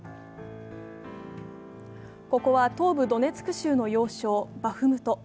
ここは東部ドネツク州の要衝バフムト。